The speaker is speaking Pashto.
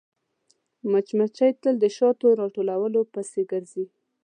مچمچۍ تل د شاتو راټولولو پسې ګرځي